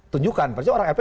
tunjukkan percaya orang rp